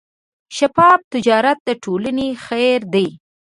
شفاف تجارت د ټولنې خیر دی.